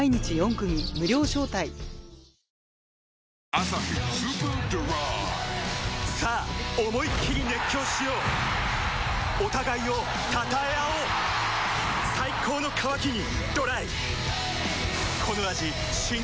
「アサヒスーパードライ」さあ思いっきり熱狂しようお互いを称え合おう最高の渇きにＤＲＹ